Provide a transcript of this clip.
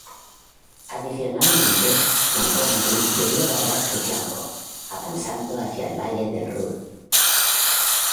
Adicionalmente, Montgomery debería guardar su flanco, avanzando hacia el valle del Ruhr.